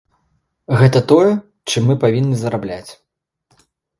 Гэта тое, чым мы павінны зарабляць.